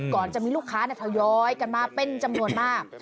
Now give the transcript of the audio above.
ก่อนจะมีลูกค้าทยอยกันมาเป็นจำนวนมาก